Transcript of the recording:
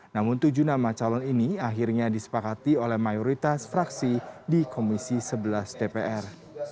namun tujuh nama calon ini akhirnya disepakati oleh mayoritas fraksi di komisi sebelas dpr